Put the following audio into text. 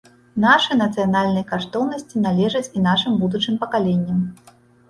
Нашы нацыянальныя каштоўнасці належаць і нашым будучым пакаленням.